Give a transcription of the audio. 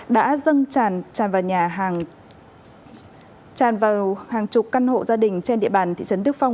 đã dâng tràn vào hàng chục căn hộ gia đình trên địa bàn thị trấn đức phong